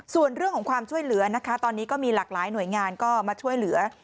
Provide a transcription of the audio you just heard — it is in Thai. ส่วนเรื่องของความช่วยเหลือนะคะตอนนี้ก็มีหลากหลายหน่วยงานก็มาช่วยเหลือ